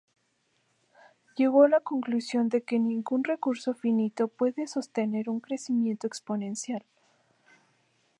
Llegó a la conclusión de que ningún recurso finito puede sostener un crecimiento exponencial.